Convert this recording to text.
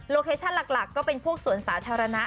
เคชั่นหลักก็เป็นพวกสวนสาธารณะ